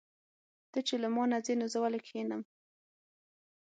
ته چې له مانه ځې نو زه ولې کښېنم.